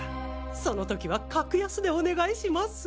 その時は格安でお願いします。